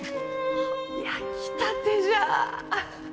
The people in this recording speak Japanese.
あ焼きたてじゃ！